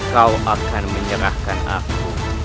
kau akan menyerahkan aku